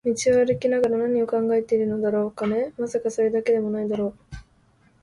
道を歩きながら何を考えているのだろう、金？まさか、それだけでも無いだろう